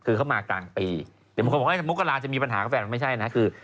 คือเขามากลางปีเดี๋ยวบางคนบอกว่ามกราจะมีปัญหากับแฟนมันไม่ใช่นะคือ